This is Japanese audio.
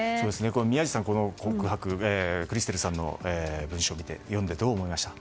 宮司さんクリステルさんの文章を読んで、どう思いましたか？